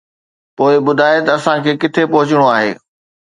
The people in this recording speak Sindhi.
پوءِ ٻڌاءِ ته اسان کي ڪٿي پهچڻو آهي